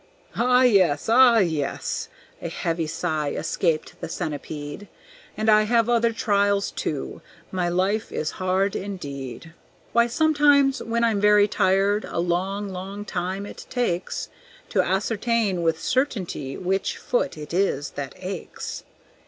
"Ah! yes. Ah! yes," a heavy sigh escaped the Centipede; "And I have other trials, too; my life is hard indeed! Why, sometimes when I'm very tired, a long, long time it takes To ascertain with certainty which foot it is that aches.